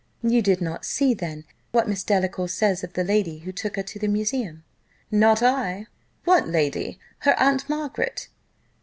"You did not see, then, what Miss Delacour says of the lady who took her to that Museum?" "Not I. What lady? her Aunt Margaret?"